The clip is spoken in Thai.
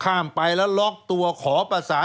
สวัสดีค่ะต้อนรับคุณบุษฎี